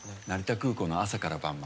成田空港の朝から晩。